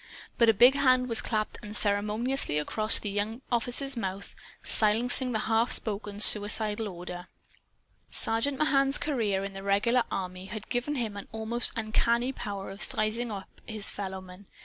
But a big hand was clapped unceremoniously across the young officer's mouth, silencing the half spoken suicidal order. Sergeant Mahan's career in the regular army had given him an almost uncanny power of sizing up his fellowmen.